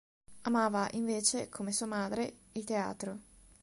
Amava invece, come sua madre, il teatro.